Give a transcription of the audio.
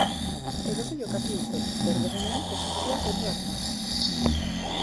Eroso jokatu dute, berdegunean posizioak ondo hartuta.